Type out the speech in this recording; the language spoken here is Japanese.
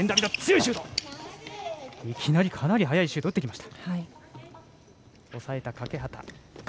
いきなり、かなり速いシュート打ってきました。